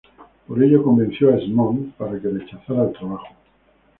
Por ello convenció a Esmond para que rechazara el trabajo.